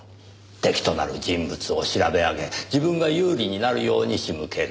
敵となる人物を調べ上げ自分が有利になるように仕向ける。